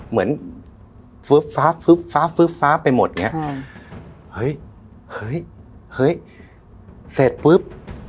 เหมือนฟ้าฟ้าฟ้าฟ้าฟ้าไปหมดอย่างเงี้ยเฮ้ยเฮ้ยเฮ้ยเสร็จปึ๊บ